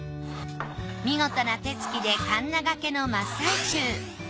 見事な手つきでカンナがけの真っ最中。